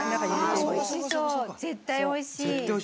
絶対おいしい！